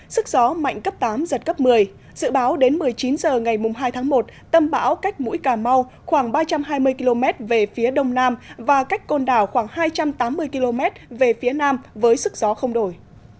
sức gió mạnh cấp tám giật cấp một mươi dự báo đến một mươi chín h ngày hai tháng một tâm bão cách mũi cà mau khoảng ba trăm hai mươi km về phía đông nam và cách côn đảo khoảng hai trăm tám mươi km về phía nam với sức gió không đổi